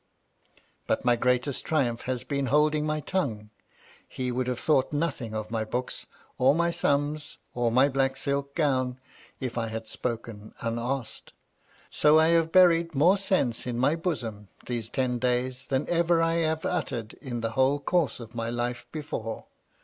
Bat my greatest triumph has been holding my tongue. He would have thought nothing of my books, or my sums, or my black silk gown, if I had spoken unasked. So I have buried more sense in my bosom these ten days than ever I have uttered in the whole course of my life before.